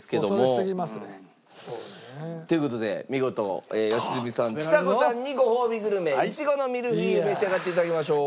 そうね。という事で見事良純さんちさ子さんにごほうびグルメ苺のミルフィーユ召し上がっていただきましょう。